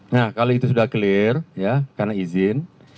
nah kalau itu sudah clear ya karena izin